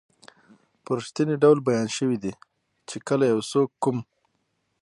په رښتني ډول بیان شوي دي چې کله یو څوک کوم